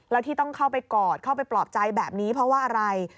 แล้วที่ต้องเข้าไปกอดเข้าไปปลอบใจแบบนี้เพราะว่าอะไร